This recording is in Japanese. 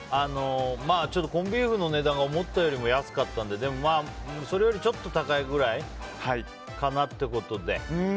ちょっとコンビーフの値段が思ったより安かったのででも、それよりちょっと高いくらいかなということで。